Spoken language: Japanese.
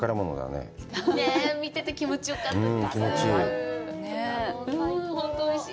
ねえ、見てて気持ちよかったです。